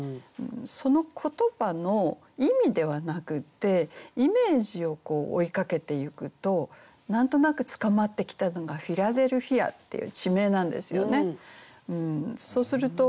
その言葉の意味ではなくってイメージを追いかけていくと何となく捕まってきたのがフィラデルフィアっていう地名なんですよね。